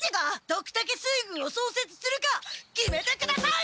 ドクタケ水軍をそうせつするか決めてください！